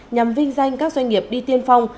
nhằm vinh danh các doanh nghiệp đi tiên phong